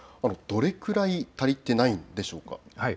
どれくらい足りていないのでしょうか。